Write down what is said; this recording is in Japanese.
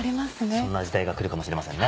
そんな時代が来るかもしれませんね。